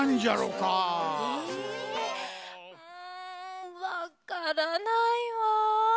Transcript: うんわからないわ。